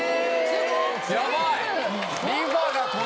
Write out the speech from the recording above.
やばい！